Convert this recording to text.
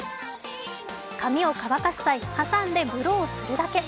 髪を乾かす際挟んでブローするだけ。